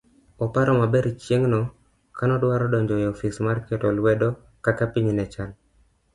oparo maber chieng'no kano dwaro donjo e ofis mar ketoluedokakapinynechal